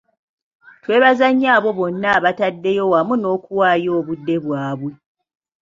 Twebaza nnyo abo bonna abateddeyo wamu n’okuwaayo obudde bwabwe.